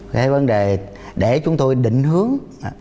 cái vấn đề để chúng tôi định hướng